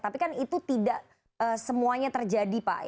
tapi kan itu tidak semuanya terjadi pak